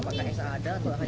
apakah sa ada